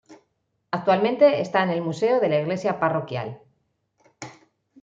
Actualmente está en el Museo de la Iglesia Parroquial.